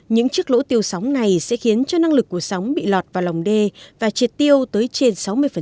những chiếc lỗ tiêu sóng này sẽ khiến cho năng lực của sóng bị lọt vào lòng d và triệt tiêu tới trên sáu mươi